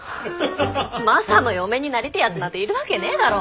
マサの嫁になりてえやつなんているわけねえだろ。